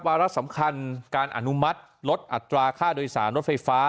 วาระสำคัญการอนุมัติลดอัตราค่าโดยสารรถไฟฟ้า